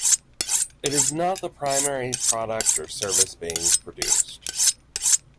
It is not the primary product or service being produced.